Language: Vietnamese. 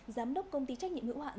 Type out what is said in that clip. giám đốc công ty trách nhiệm hữu hạn